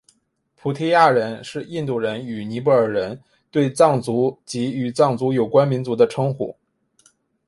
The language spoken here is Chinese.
菩提亚人是印度人与尼泊尔人对藏族及与藏族有关民族的称呼。